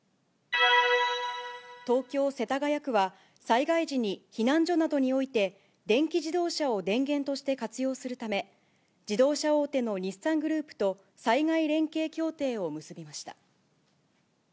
東京・世田谷区は、災害時に避難所などにおいて、電気自動車を電源として活用するため、自動車大手の日産グループと災害連携協定を結びました。